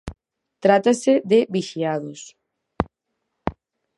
Trátase de 'Vixiados'.